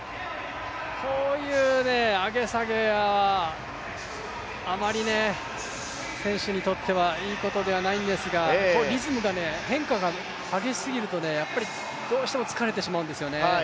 こういう上げ下げはあまり選手にとってはいいことではないんですが、リズムの変化が激しすぎるとやっぱりどうしても疲れてしまうんですよね。